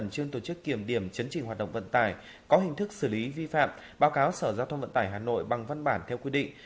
trong số các đơn vị vi phạm báo cáo sở giao thông vận tải hà nội bằng văn bản theo quy định